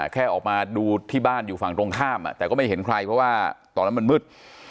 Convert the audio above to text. แค่ออกมาดูที่บ้านอยู่ฝั่งตรงข้ามแต่ก็ไม่เห็นใครเพราะว่าตอนนั้นมันมืด